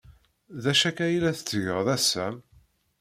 D acu akka ay la tettgeḍ a Sam?